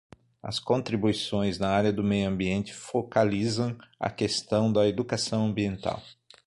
As contribuições na área de Meio Ambiente focalizam a questão da educação ambiental